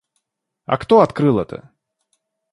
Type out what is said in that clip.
А кто открыл это?